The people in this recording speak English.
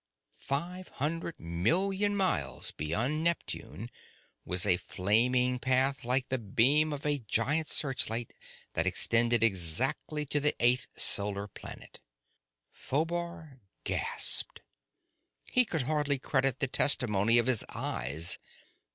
Five hundred million miles beyond Neptune was a flaming path like the beam of a giant searchlight that extended exactly to the eighth solar planet. Phobar gasped. He could hardly credit the testimony of his eyes.